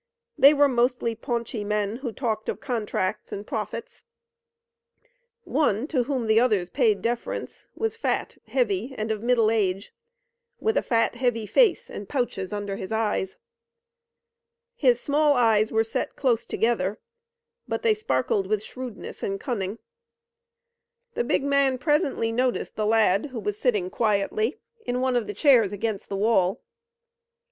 They were mostly paunchy men who talked of contracts and profits. One, to whom the others paid deference, was fat, heavy and of middle age, with a fat, heavy face and pouches under his eyes. His small eyes were set close together, but they sparkled with shrewdness and cunning. The big man presently noticed the lad who was sitting quietly in one of the chairs against the wall.